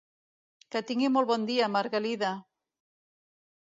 Que tingui molt bon dia, Margalida!